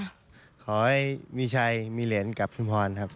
ขอให้มีชัยมีเหรียญกับชุมพรครับ